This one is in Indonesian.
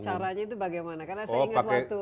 caranya itu bagaimana karena saya ingat waktu